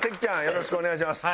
よろしくお願いします。